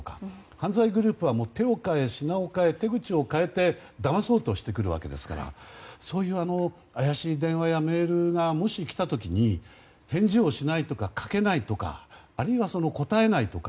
犯罪グループは手を変え品を変え手口を変えてだまそうとしてくるわけですからそういう怪しい電話やメールがもし来た時に返事をしないとかかけないとかあるいは答えないとか。